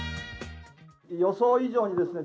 予想以上にですね